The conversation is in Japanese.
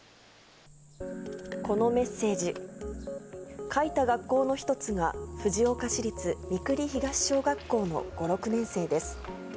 このメッセージ、書いた学校の一つが、藤岡市立美九里東小学校の５、６年生です。